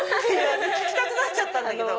聞きたくなっちゃったんだけど。